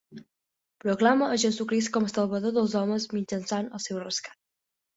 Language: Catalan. Proclama a Jesucrist com a salvador dels homes mitjançant el seu rescat.